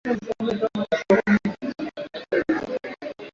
kuchakata viazi lishe husaidia Kuzalisha malighafi ya viwanda